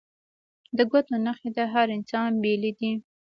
د ګوتو نښې د هر انسان بیلې دي